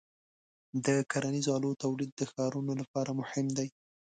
د کرنیزو آلو تولید د ښارونو لپاره مهم دی.